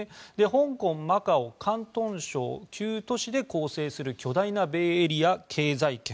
香港、マカオ、広東省の９都市で構成する巨大なベイエリア経済圏